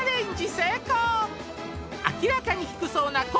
成功明らかに低そうな昴